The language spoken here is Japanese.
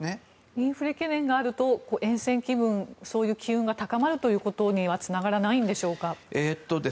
インフレ懸念があるとえん戦気分そういう機運が高まるということにはつながらないんでしょうか。